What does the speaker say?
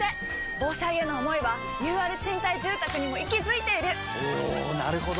防災への想いはＵＲ賃貸住宅にも息づいているおなるほど！